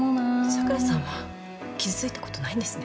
桜さんは傷ついたことないんですね。